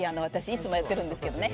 いつも私やっているんですけどね。